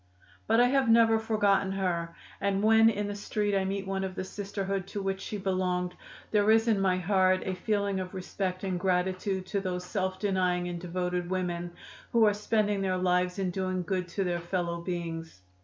"But I have never forgotten her, and when in the street I meet one of the Sisterhood to which she belonged there is in my heart a feeling of respect and gratitude to those self denying and devoted women who are spending their lives in doing good to their fellow beings.